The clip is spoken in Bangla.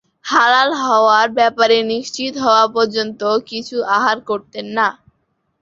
হালাল হওয়ার ব্যাপারে নিশ্চিত হওয়া পর্যন্ত কিছু আহার করতেন না।